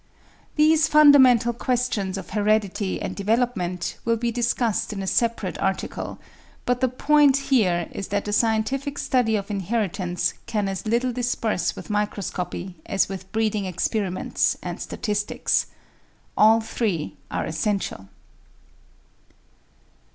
These fundamental questions of heredity and development will be discussed in a separate article, but the point here is that the scientific study of inheritance can as little dispense with microscopy as with breeding experiments and statistics. All three are essential.